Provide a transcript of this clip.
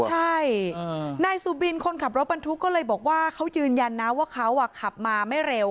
ใช่นายสุบินคนขับรถบรรทุกก็เลยบอกว่าเขายืนยันนะว่าเขาขับมาไม่เร็ว